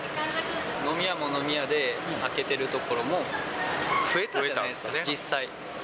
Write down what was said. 飲み屋も飲み屋で開けてるところも増えたじゃないですか、実際。